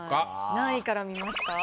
何位から見ますか？